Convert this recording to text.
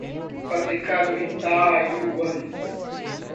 Fabricado em Taiwan.